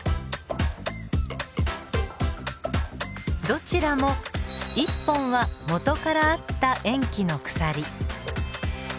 どちらも一本は元からあった塩基の鎖。